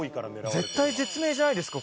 絶体絶命じゃないですか